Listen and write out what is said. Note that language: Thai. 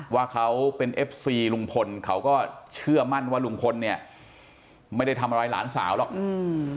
ว่าเขาเป็นเอฟซีลุงพลเขาก็เชื่อมั่นว่าลุงพลเนี่ยไม่ได้ทำอะไรหลานสาวหรอกอืม